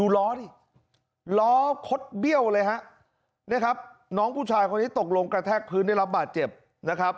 ล้อดิล้อคดเบี้ยวเลยฮะเนี่ยครับน้องผู้ชายคนนี้ตกลงกระแทกพื้นได้รับบาดเจ็บนะครับ